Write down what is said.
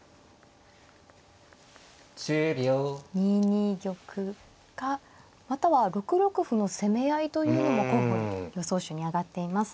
２二玉かまたは６六歩の攻め合いというのも候補に予想手に挙がっています。